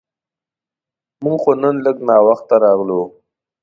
مونږ خو نن لږ وخته راغلو.